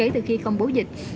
từ khi công bố dịch